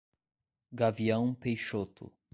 Gavião Peixoto